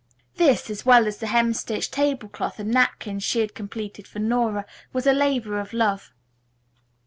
This, as well as the hemstitched table cloth and napkins she had completed for Nora, was a labor of love.